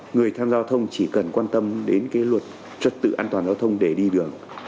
người tham gia giao thông chỉ cần quan tâm đến cái luật trật tự an toàn giao thông để đi đường